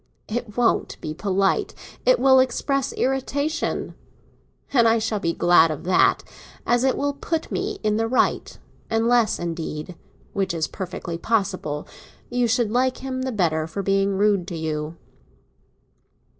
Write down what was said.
It won't be polite—it will, express irritation; and I shall be glad of that, as it will put me in the right; unless, indeed—which is perfectly possible—you should like him the better for being rude to you."